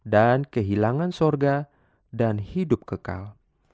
dan kehilangan sorga dan hidup kekal